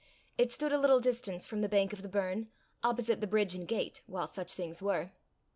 It stood a little distance from the bank of the burn, opposite the bridge and gate, while such things were.